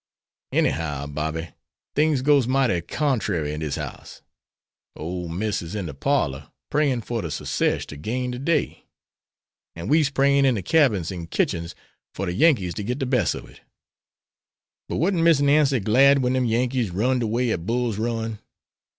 "Anyhow, Bobby, things goes mighty contrary in dis house. Ole Miss is in de parlor prayin' for de Secesh to gain de day, and we's prayin' in de cabins and kitchens for de Yankees to get de bes' ob it. But wasn't Miss Nancy glad wen dem Yankees run'd away at Bull's Run.